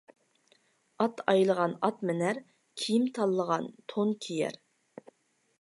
ئات ئايلىغان ئات مىنەر، كىيىم تاللىغان تون كىيەر.